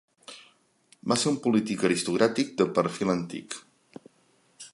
Va ser un polític aristocràtic de perfil antic.